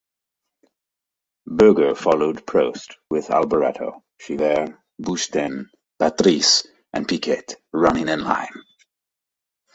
Berger followed Prost with Alboreto, Cheever, Boutsen, Patrese and Piquet running in line.